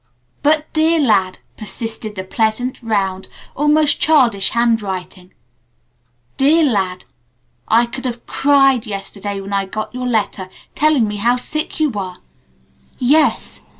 But "Dear Lad" persisted the pleasant, round, almost childish handwriting: "DEAR LAD, "I could have cried yesterday when I got your letter telling me how sick you were. Yes!